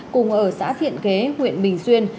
cùng ở xã thiện kế huyện bình xuyên